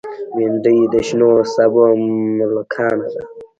بېنډۍ د شنو سابو ملکانه ده